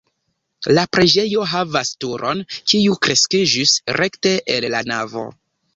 La preĝejo havas turon, kiu kreskiĝis rekte el la navo.